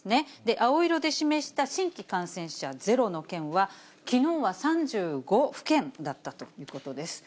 青色で示した新規感染者ゼロの県は、きのうは３５府県だったということです。